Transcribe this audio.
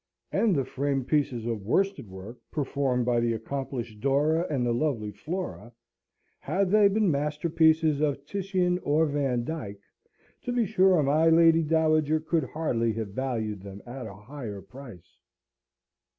and the framed pieces of worsted work, performed by the accomplished Dora and the lovely Flora, had they been masterpieces of Titian or Vandyck, to be sure my lady dowager could hardly have valued them at a higher price.